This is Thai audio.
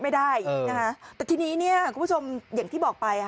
ไม่ได้นะคะแต่ทีนี้เนี่ยคุณผู้ชมอย่างที่บอกไปอ่ะ